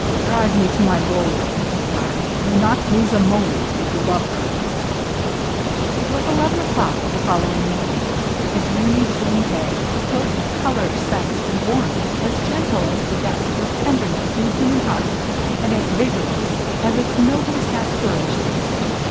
" Drive me to my lawyer !" he cried. '' Do not lose a moment — if you love her !" It was eleven o'clock of the following morning ; a dreamy June day, afloat with color, scent, and warmth, as gentle as the depths of tenderness in the human heart, and as vigorous as its noblest aspira tions.